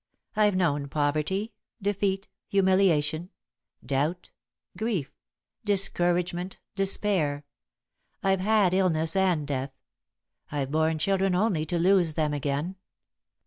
I've known poverty, defeat, humiliation, doubt, grief, discouragement, despair. I've had illness and death; I've borne children only to lose them again.